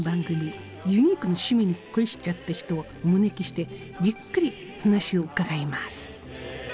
ユニークな趣味に恋しちゃった人をお招きしてじっくり話を伺います！